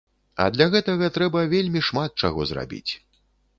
А для гэтага трэба вельмі шмат чаго зрабіць.